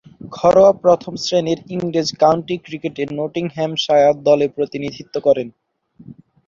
ঘরোয়া প্রথম-শ্রেণীর ইংরেজ কাউন্টি ক্রিকেটে নটিংহ্যামশায়ার দলের প্রতিনিধিত্ব করেন।